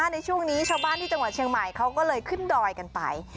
ในช่วงนี้ชาวบ้านที่จังหวัดเชียงใหม่เขาก็เลยขึ้นดอยกันไป